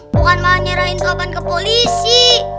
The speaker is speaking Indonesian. bukan malah nyerahin korban ke polisi